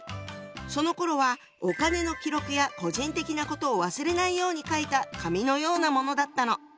そのころはお金の記録や個人的なことを忘れないように書いた紙のようなものだったの。